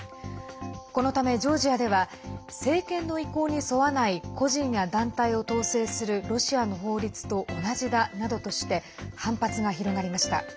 このため、ジョージアでは政権の意向に沿わない個人や団体を統制するロシアの法律と同じだなどとして反発が広がりました。